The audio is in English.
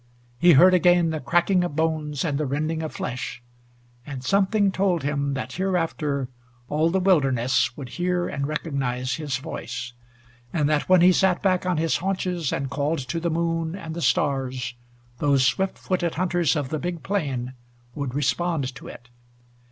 He heard again the cracking of bones and the rending of flesh, and something told him that hereafter all the wilderness would hear and recognize his voice, and that when he sat back on his haunches and called to the moon and the stars, those swift footed hunters of the big plain would respond to it.